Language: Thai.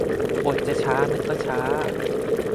บทจะช้ามันก็ช้า